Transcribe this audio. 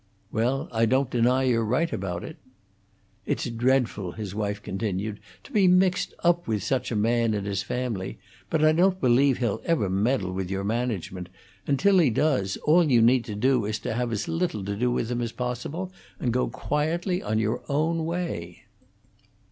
"Well, I don't deny you're right about it." "It's dreadful," his wife continued, "to be mixed up with such a man and his family, but I don't believe he'll ever meddle with your management, and, till he does, all you need do is to have as little to do with him as possible, and go quietly on your own way."